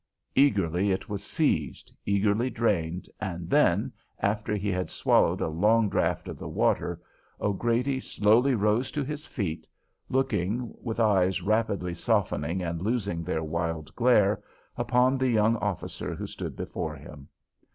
Eagerly it was seized, eagerly drained, and then, after he had swallowed a long draught of the water, O'Grady slowly rose to his feet, looking, with eyes rapidly softening and losing their wild glare, upon the young officer who stood before him.